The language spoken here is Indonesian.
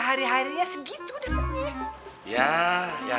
harinya segitu deh emangnya